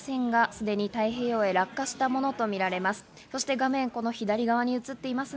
すでに太平洋へ落下したものとみられます。